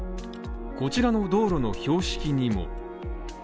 こちらの道路の標識にも。